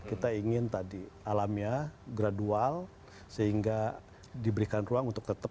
kita ingin tadi alamiah gradual sehingga diberikan ruang untuk tetap